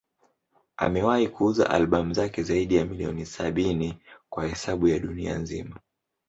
Amewahi kuuza albamu zake zaidi ya milioni sabini kwa hesabu ya dunia nzima.